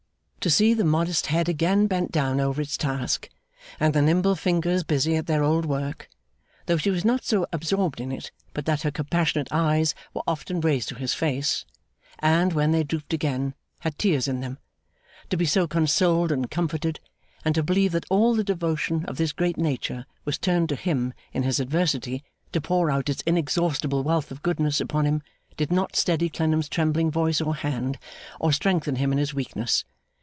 To see the modest head again bent down over its task, and the nimble fingers busy at their old work though she was not so absorbed in it, but that her compassionate eyes were often raised to his face, and, when they drooped again had tears in them to be so consoled and comforted, and to believe that all the devotion of this great nature was turned to him in his adversity to pour out its inexhaustible wealth of goodness upon him, did not steady Clennam's trembling voice or hand, or strengthen him in his weakness.